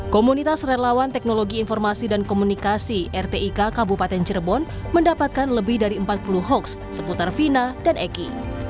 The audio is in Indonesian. komunitas relawan teknologi informasi dan komunikasi rtik kabupaten cirebon mendapatkan lebih dari empat puluh hoax seputar vina dan eki